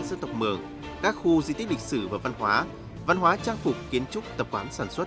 dân tộc mường các khu di tích lịch sử và văn hóa văn hóa trang phục kiến trúc tập quán sản xuất